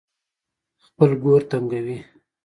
خپل ګور تنګوي.